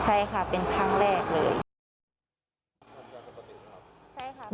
ใช่ค่ะเป็นครั้งแรกเลย